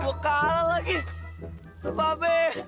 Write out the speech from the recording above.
gue kalah lagi sama b